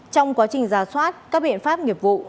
trong quá trình giả soát các biện pháp nghiệp vụ